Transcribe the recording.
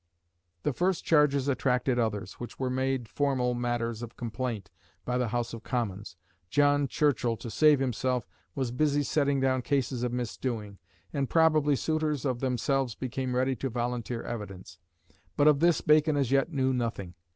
The first charges attracted others, which were made formal matters of complaint by the House of Commons. John Churchill, to save himself, was busy setting down cases of misdoing; and probably suitors of themselves became ready to volunteer evidence. But of this Bacon as yet knew nothing.